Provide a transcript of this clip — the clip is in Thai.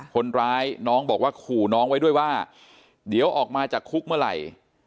คนร้ายน้องบอกว่าขู่น้องไว้ด้วยว่าเดี๋ยวออกมาจากคุกเมื่อไหร่